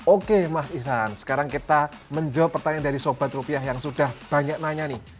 oke mas isan sekarang kita menjawab pertanyaan dari sobat rupiah yang sudah banyak nanya nih